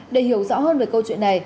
để hiểu rõ hơn về câu chuyện này